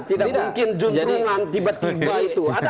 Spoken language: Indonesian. tidak mungkin jumlahnya tiba tiba itu